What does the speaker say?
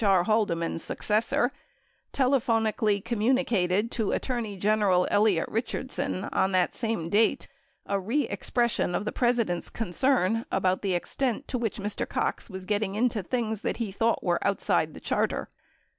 R. Haldeman's successor, telephoni cally communicated to Attorney General Elliot Richardson on that same date, a "re expression of the President's concern about the extent to which Mr. Cox was getting into things that he thought were out side the charter."